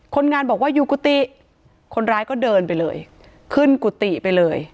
คนงานบอกว่าอยู่กุฏิคนร้ายก็เดินไปเลยขึ้นกุฏิไปเลย